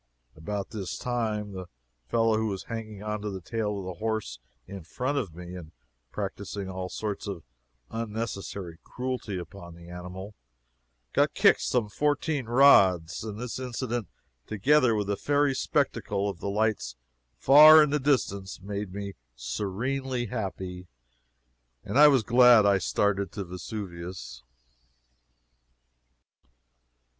About this time, the fellow who was hanging on to the tail of the horse in front of me and practicing all sorts of unnecessary cruelty upon the animal, got kicked some fourteen rods, and this incident, together with the fairy spectacle of the lights far in the distance, made me serenely happy, and I was glad I started to Vesuvius.